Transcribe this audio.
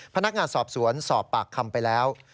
พนักงานสอบสวนสอบปากคำไปแล้ว